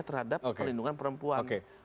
terhadap perlindungan perempuan oke